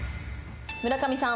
村上さん。